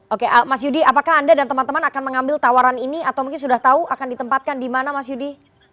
oke mas yudi apakah anda dan teman teman akan mengambil tawaran ini atau mungkin sudah tahu akan ditempatkan di mana mas yudi